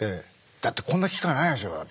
だってこんな機会ないでしょうだって。